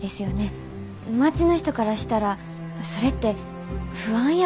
町の人からしたらそれって不安やと思うんです。